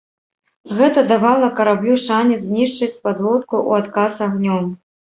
Гэта давала караблю шанец знішчыць падлодку у адказ агнём.